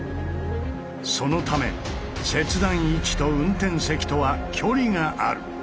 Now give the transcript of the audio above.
そのため切断位置と運転席とは距離がある。